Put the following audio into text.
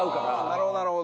なるほどなるほど。